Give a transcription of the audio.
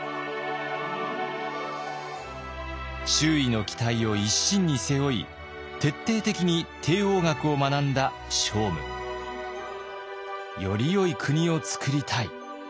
周囲の期待を一身に背負い徹底的に帝王学を学んだ聖武。よりよい国をつくりたい。